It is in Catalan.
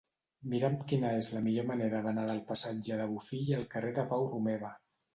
Mira'm quina és la millor manera d'anar del passatge de Bofill al carrer de Pau Romeva.